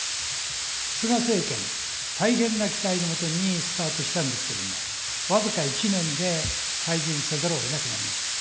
菅政権、大変な期待のもとにスタートしたんですけれども、僅か１年で退陣せざるをえなくなりました。